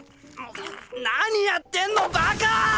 何やってんのバカァ！